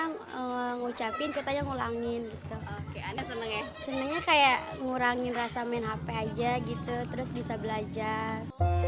mengucapkan kita yang ngulangin senengnya kayak ngurangin rasa main hp aja gitu terus bisa belajar